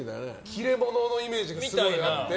切れ者のイメージがすごいあって。